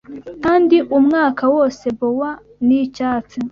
Kandi umwaka wose bower ni icyatsi